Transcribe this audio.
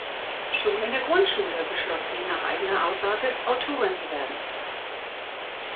Schon in der Grundschule beschloss sie nach eigener Aussage, Autorin zu werden.